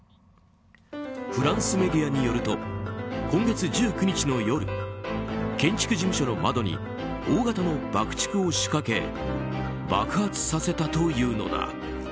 フランスメディアによると今月１９日の夜建築事務所の窓に大型の爆竹を仕掛け爆発させたというのだ。